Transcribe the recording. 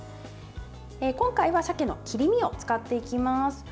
今回は鮭の切り身を使っていきます。